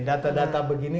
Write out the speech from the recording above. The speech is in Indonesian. data data begini kan